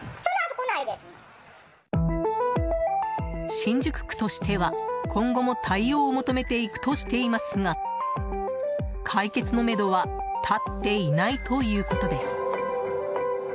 新宿区としては、今後も対応を求めていくとしていますが解決のめどは立っていないということです。